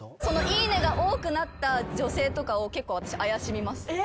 「いいね！」が多くなった女性とかを結構私怪しみます。